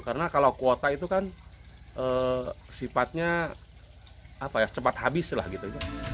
karena kalau kuota itu kan sifatnya cepat habis lah gitu